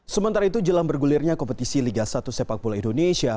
sementara itu jelang bergulirnya kompetisi liga satu sepak bola indonesia